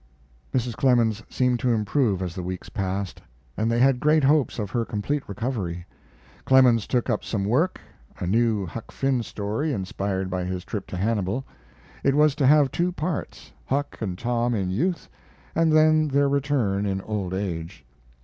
Mrs. Clemens seemed to improve as the weeks passed, and they had great hopes of her complete recovery. Clemens took up some work a new Huck Finn story, inspired by his trip to Hannibal. It was to have two parts Huck and Tom in youth, and then their return in old age.